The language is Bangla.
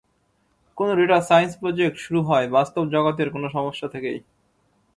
কোন ডেটা সাইন্স প্রজেক্ট শুরু হয় বাস্তব জগতের কোন সমস্যা থেকেই।